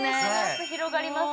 広がります